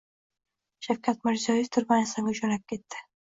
Shavkat Mirziyoyev Turkmanistonga jo‘nab ketdi